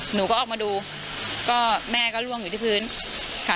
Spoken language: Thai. หนูก็ออกมาดูก็แม่ก็ล่วงอยู่ที่พื้นค่ะ